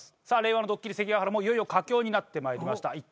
さあ令和のドッキリ関ヶ原もいよいよ佳境になって参りました。